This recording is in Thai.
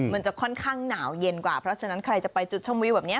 มันจะค่อนข้างหนาวเย็นกว่าเพราะฉะนั้นใครจะไปจุดชมวิวแบบนี้